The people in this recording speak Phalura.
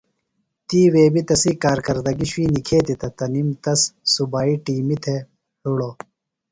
تِیوے بیۡ تسی کارکردگیۡ شُوئی نِکھتیۡ تہ تنِم تس صوبئی ٹِیمیۡ تھےۡ ہِڑو۔